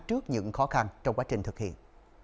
trước những khó khăn trong quá trình thực hiện